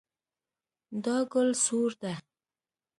دا ګل سور ده